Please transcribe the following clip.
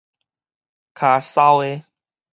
跤梢的